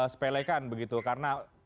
sepelekan begitu karena